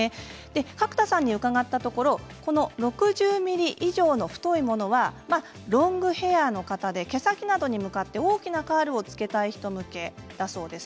角田さんに伺ったところ６０ｍｍ以上の太いものはロングヘアの方で毛先などに向かって大きなカールをつけたい人向けだそうです。